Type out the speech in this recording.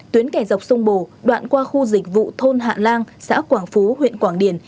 tuyến kẻ dọc sông bồ đoạn qua khu dịch vụ thôn hạ lan xã quảng phú huyện quảng điển